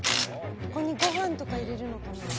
ここにご飯とか入れるのかな？